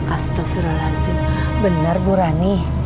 astaghfirullahaladzim benar bu rani